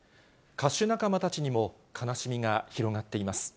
歌手仲間たちにも悲しみが広がっています。